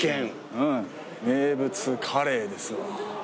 うん名物カレーですわ。